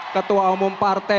ketua umum partai psi